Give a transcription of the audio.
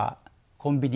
コンビニ